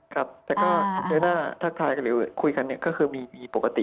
ครับแต่ถ้าถ้าคุยกันก็คือมีปกติ